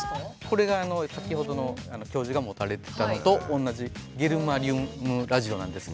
これが先ほどの教授が持たれてたのと同じゲルマニウムラジオなんですけど。